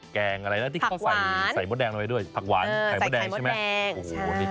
แกงอะไรและเขาใส่ไข่มดแดงคือผักหวานไข่มดแดงใช่ไหม